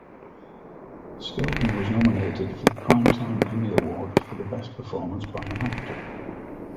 Skelton was nominated for the Primetime Emmy Award for best performance by an actor.